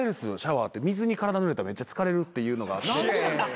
水に体ぬれたらめっちゃ疲れるっていうのが。